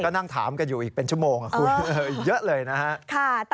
ก็นั่งถามกันอยู่อีกเป็นชั่วโมงคุณอีกเยอะเลยนะฮะ